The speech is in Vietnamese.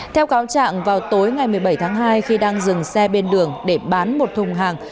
theo cáo trạng vào tối ngày một mươi bảy tháng hai khi đang dừng xe bên đường để bán một thùng hàng